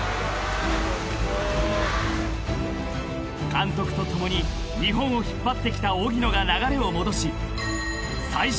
［監督と共に日本を引っ張ってきた荻野が流れを戻し］